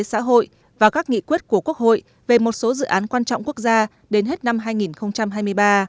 xã hội và các nghị quyết của quốc hội về một số dự án quan trọng quốc gia đến hết năm hai nghìn hai mươi ba